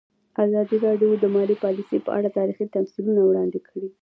ازادي راډیو د مالي پالیسي په اړه تاریخي تمثیلونه وړاندې کړي.